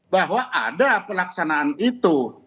bahwa ada pelaksanaan itu